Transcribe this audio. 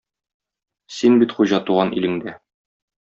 Син бит хуҗа туган илеңдә!